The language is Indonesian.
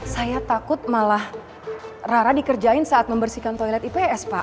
saya takut malah rara dikerjain saat membersihkan toilet ips pak